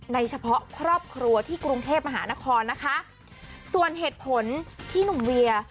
เฉพาะครอบครัวที่กรุงเทพมหานครนะคะส่วนเหตุผลที่หนุ่มเวีย